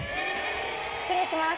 失礼します。